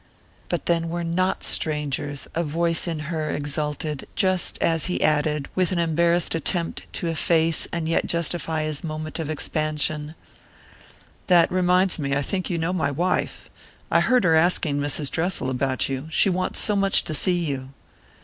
"But then we're not strangers!" a voice in her exulted, just as he added, with an embarrassed attempt to efface and yet justify his moment of expansion: "That reminds me I think you know my wife. I heard her asking Mrs. Dressel about you. She wants so much to see you."